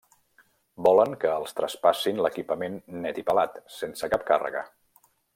Volen que els traspassin l'equipament net i pelat, sense cap càrrega.